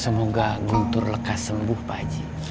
semoga guntur lekas sembuh pak haji